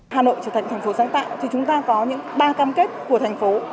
hà nội trở thành thành phố sáng tạo thì chúng ta có những ba cam kết của thành phố